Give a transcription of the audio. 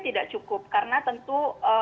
tidak cukup karena tentu